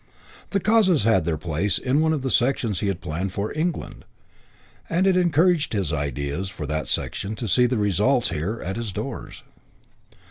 The causes had their place in one of the sections he had planned for "England" and it encouraged his ideas for that section to see the results here at his doors.